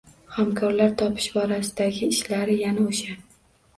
Hamkorlar topish borasidagi ishlari yana o’sha.